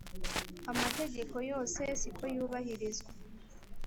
amategeko yose siko yubahirizwa.